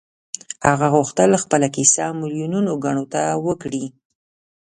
هغه غوښتل خپله کيسه ميليونو کڼو ته وکړي.